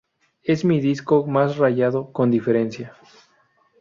Es mi disco más rayado, con diferencia.